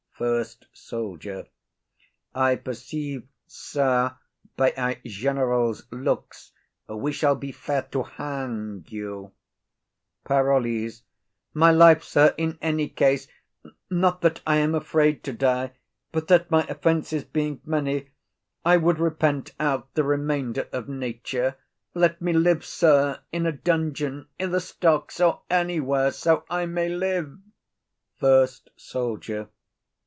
FIRST SOLDIER. I perceive, sir, by our general's looks we shall be fain to hang you. PAROLLES. My life, sir, in any case. Not that I am afraid to die, but that, my offences being many, I would repent out the remainder of nature. Let me live, sir, in a dungeon, i' the stocks, or anywhere, so I may live. FIRST SOLDIER.